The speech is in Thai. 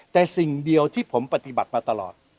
แต่สิ่งเดียวที่ผมปฏิบัติมาตลอด